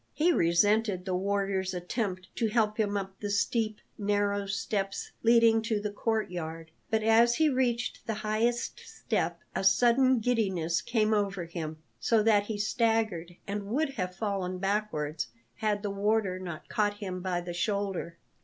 He resented the warder's attempt to help him up the steep, narrow steps leading to the courtyard; but as he reached the highest step a sudden giddiness came over him, so that he staggered and would have fallen backwards had the warder not caught him by the shoulder.